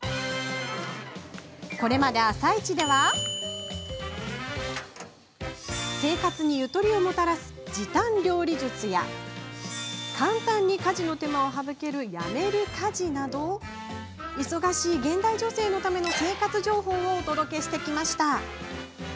これまで「あさイチ」では生活に、ゆとりをもたらす時短料理術や簡単に家事の手間を省けるやめる家事など忙しい現代女性のための生活情報をお届けしてきました。